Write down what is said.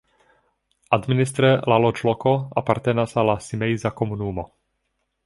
Administre la loĝloko apartenas al la Simeiza komunumo.